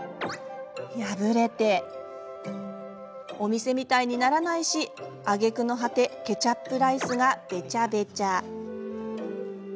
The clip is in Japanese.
お店みたいにならないしあげくの果てケチャップライスがベチャベチャ。